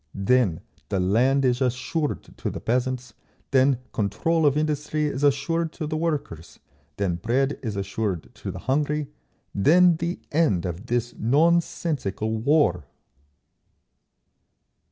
Then the land is assured to the peasants, then control of industry is assured to the workers, then bread is assured to the hungry, then the end of this nonsensical war!